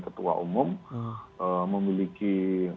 ketua umum memiliki